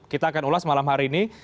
kita akan ulas malam hari ini